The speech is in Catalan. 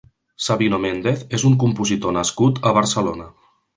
Sabino Méndez és un compositor nascut a Barcelona.